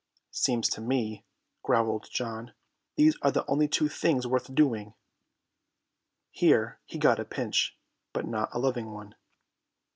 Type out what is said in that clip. "Seems to me," growled John, "these are the only two things worth doing." Here he got a pinch, but not a loving one.